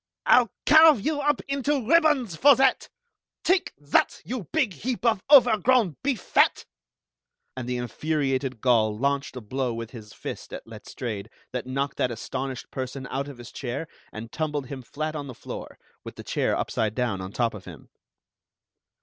"I'll carve you up into ribbons for that! Take that, you big heap of over grown beef fat!" And the infuriated Gaul launched a blow with his fist at Letstrayed that knocked that astonished person out of his chair and tumbled him flat on the floor, with the chair upside down on top of him.